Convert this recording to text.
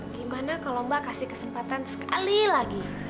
gimana kalau mbak kasih kesempatan sekali lagi